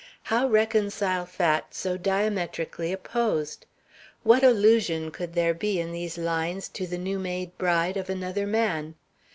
How reconcile facts so diametrically opposed? What allusion could there be in these lines to the new made bride of another man?